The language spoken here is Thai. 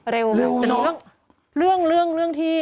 เร็วเรื่องที่เรื่องเรื่องที่